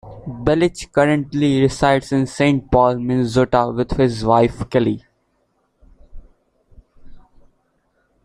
Belich currently resides in Saint Paul, Minnesota, with his wife Kelly.